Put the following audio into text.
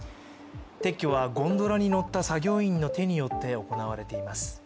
撤去はゴンドラに乗った作業員の手によって行われています。